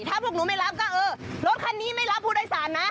ถ้าพวกหนูไม่รับก็เออรถคันนี้ไม่รับผู้โดยสารนะ